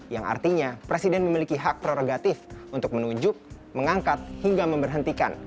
yang artinya presiden memiliki hak prerogatif untuk menunjuk mengangkat hingga memberhentikan